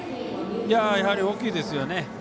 やはり大きいですよね。